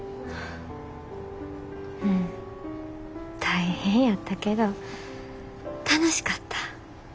うん大変やったけど楽しかった。